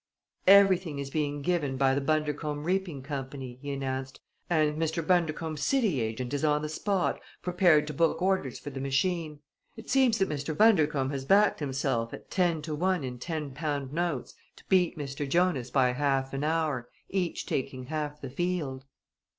"Everything is being given by the Bundercombe Reaping Company," he announced, "and Mr. Bundercombe's city agent is on the spot prepared to book orders for the machine. It seems that Mr. Bundercombe has backed himself at ten to one in ten pound notes to beat Mr. Jonas by half an hour, each taking half the field."